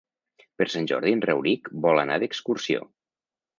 Per Sant Jordi en Rauric vol anar d'excursió.